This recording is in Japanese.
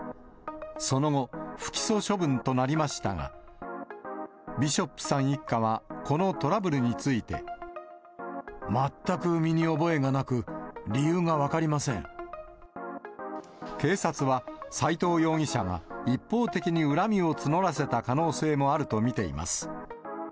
その後、不起訴処分となりましたが、ビショップさん一家は、このトラブルについて。全く身に覚えがなく、理由が警察は、斎藤容疑者が一方的に恨みを募らせた可能性もあると見ています。